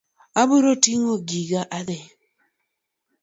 Abiro ting'o gika adhi.